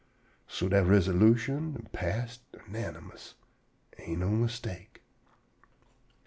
So dat risolution am passed unanermous, an' no mistake.